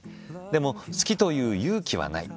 でも好きと言う勇気はない。